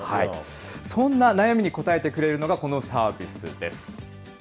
そんな悩みに応えてくれるのが、このサービスです。